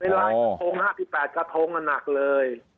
เป็นลายกระทง๕๘กระทงน่ะหนักเลย